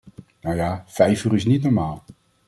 Nou ja, vijf uur is niet normaal.